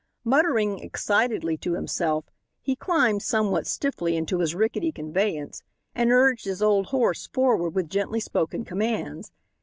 Muttering excitedly to himself, he climbed somewhat stiffly into his rickety conveyance and urged his old horse forward with gently spoken commands.